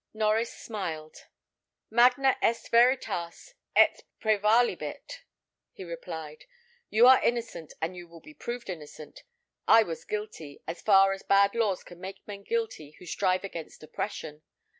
Norries smiled. "Magna est veritas, et prevalebit," he replied. "You are innocent, and you will be proved innocent. I was guilty, as far as bad laws can make men guilty who strive against oppression.